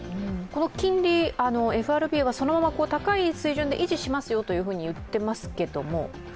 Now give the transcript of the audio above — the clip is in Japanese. この金利、ＦＲＢはそのまま高い水準で維持しますよと言っていますけれども？